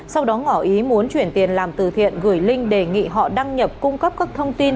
sau đó ngỏ ý muốn chuyển tiền làm từ thiện gửi link đề nghị họ đăng nhập cung cấp các thông tin